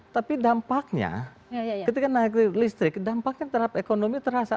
tapi dampaknya ketika naik listrik dampaknya terhadap ekonomi terasa